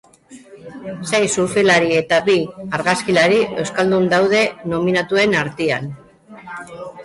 Sei surflari eta bi argazkilari euskaldun daude nominatuen artean.